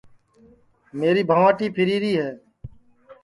میری بھنٚواٹی پھیریری ہے